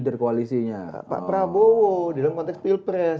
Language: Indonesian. pak prabowo di dalam konteks pilpres